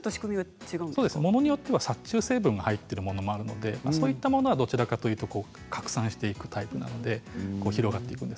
ものによっては殺虫成分が入っているものもあるのでそういうものはどちらかというと拡散する広がっていく。